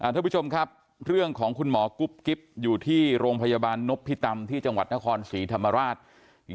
ทุกผู้ชมครับเรื่องของคุณหมอกุ๊บกิ๊บอยู่ที่โรงพยาบาลนพิตำที่จังหวัดนครศรีธรรมราช